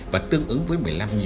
và tương ứng với một mươi năm